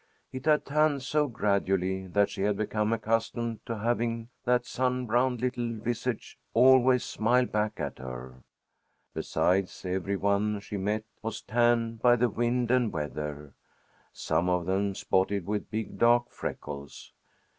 It had tanned so gradually that she had become accustomed to having that sunbrowned little visage always smile back at her. Besides, every one she met was tanned by the wind and weather, some of them spotted with big dark freckles.